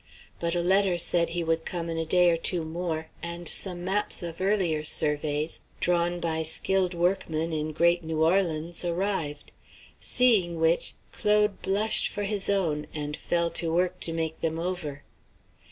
But a letter said he would come in a day or two more, and some maps of earlier surveys, drawn by skilled workmen in great New Orleans, arrived; seeing which, Claude blushed for his own and fell to work to make them over.